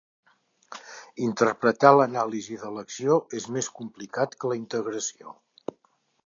Interpretar l'anàlisi d'elecció és més complicat que la integració.